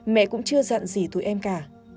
mẹ cũng chưa giận gì tụi em cả